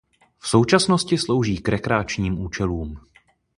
V současnosti slouží k rekreačním účelům.